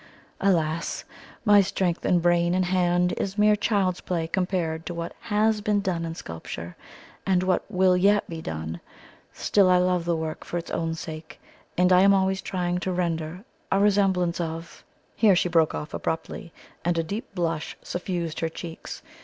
Alas! my strength of brain and hand is mere child's play compared to what HAS been done in sculpture, and what WILL yet be done; still, I love the work for its own sake, and I am always trying to render a resemblance of " Here she broke off abruptly, and a deep blush suffused her cheeks.